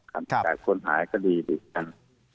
ต่ามมาสนวนหายก็ดีดีกัน